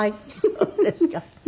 そうですか。